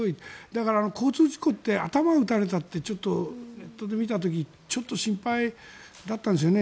だから交通事故って頭を打たれたってネットで見た時ちょっと心配だったんですよね。